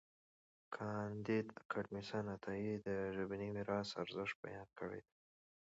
کانديد اکاډميسن عطايي د ژبني میراث ارزښت بیان کړی دی.